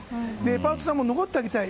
パートさんも残ってあげたい。